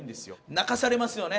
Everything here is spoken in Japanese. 泣かされますよね